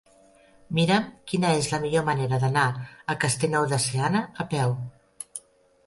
Mira'm quina és la millor manera d'anar a Castellnou de Seana a peu.